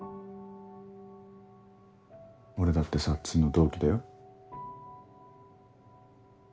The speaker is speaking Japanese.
俺だってさっつんの同期だよ。